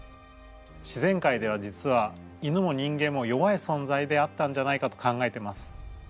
自然界では実は犬も人間も弱いそんざいであったんじゃないかと考えてます。